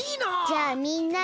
じゃあみんなで。